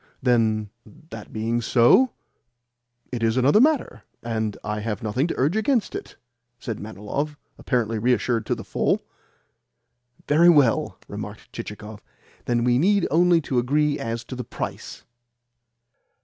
"Then, that being so, it is another matter, and I have nothing to urge against it," said Manilov, apparently reassured to the full. "Very well," remarked Chichikov. "Then we need only to agree as to the price."